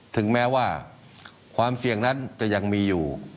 ถึงแม้ว่าความเสี่ยงนั้นจะยังมีอยู่